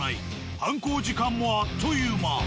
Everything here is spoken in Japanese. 犯行時間もあっという間。